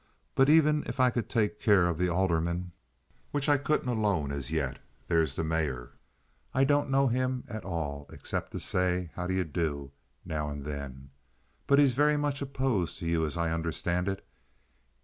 But even if I could take care of the aldermen, which I couldn't alone as yet, there's the mayor. I don't know him at all except to say how do ye do now and then; but he's very much opposed to you, as I understand it.